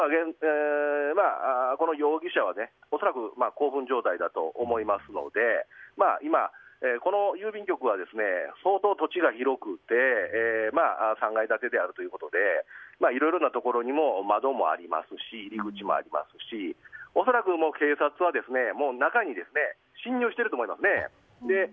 この容疑者は興奮状態だと思いますので今この郵便局は相当土地が広くて３階建てであるということでいろいろなところに窓もありますし入り口もありますし恐らく警察はもう中に進入していると思います。